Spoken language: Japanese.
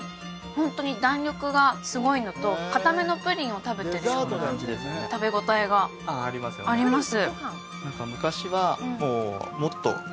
ホントに弾力がすごいのとかためのプリンを食べてるような食べ応えがああありますよねあります